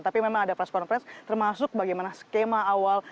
tapi memang ada press conference termasuk bagaimana skema awal